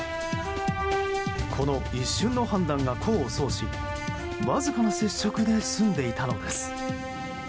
この一瞬の判断が功を奏しわずかな接触で済んでいたのです。